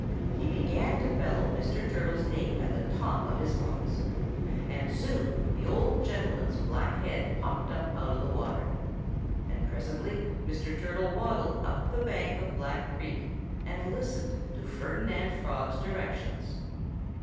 He began to bellow Mr. Turtle's name at the top of his lungs. And soon the old gentleman's black head popped out of the water. And presently Mr. Turtle waddled up the bank of Black Creek and listened to Ferdinand Frog's directions.